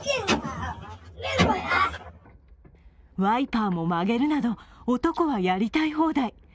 ワイパーも曲げるなど男はやりたい放題。